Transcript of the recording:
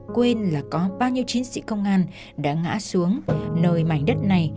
quên là có bao nhiêu chiến sĩ công an đã ngã xuống nơi mảnh đất này